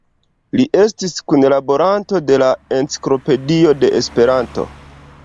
Li estis kunlaboranto de la Enciklopedio de Esperanto.